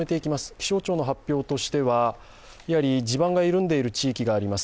気象庁の発表としては、地盤が緩んでいる地域があります